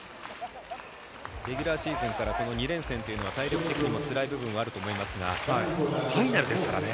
レギュラーシーズンから２連戦というのは体力的にもつらい部分はあると思いますがファイナルですからね。